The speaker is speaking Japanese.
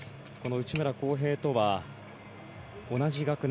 内村航平とは、同じ学年。